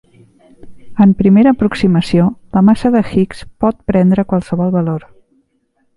En primera aproximació, la massa de Higgs pot prendre qualsevol valor.